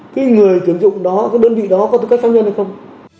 cái người tuyển dụng đó cái đơn vị đó có tư cách pháp nhân hay không